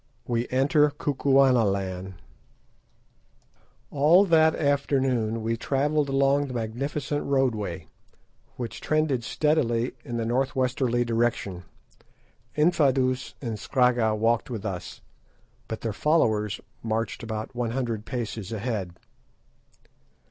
WE ENTER KUKUANALAND All that afternoon we travelled along the magnificent roadway, which trended steadily in a north westerly direction. Infadoos and Scragga walked with us, but their followers marched about one hundred paces ahead.